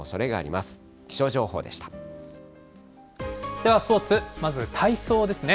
ではスポーツ、まず体操ですね。